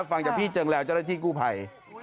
ฟังจากพี่เจิงแล้วเจ้าละที่กู้ผ่าย